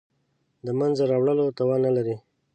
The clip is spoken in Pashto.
د منځته راوړلو توان نه لري.